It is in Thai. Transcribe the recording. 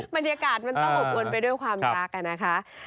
บรรยากาศมันต้องหกวนไปด้วยความรัก